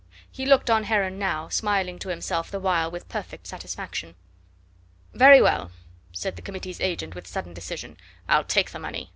He looked on Heron now, smiling to himself the while with perfect satisfaction. "Very well," said the Committee's agent with sudden decision, "I'll take the money.